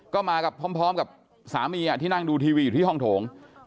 ก็มากับพร้อมกับสามีที่นั่งดูทีวีอยู่ที่ห้องโถง